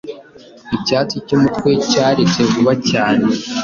Icyatsi cyumutwe cyaretse vuba cyane